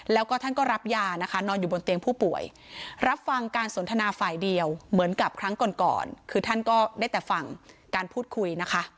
แล้วก็ท่านก็รับยานอนอยู่บนเตียงผู้ป่วย